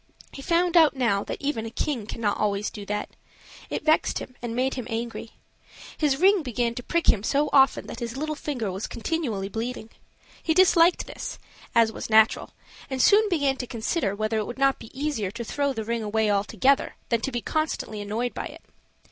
He found out now that even a king cannot always do that; it vexed him and made him angry. His ring began to prick him so often that his little finger was continually bleeding. He disliked this, as was natural, and soon began to consider whether it would not be easier to throw the ring away altogether than to be constantly annoyed by it.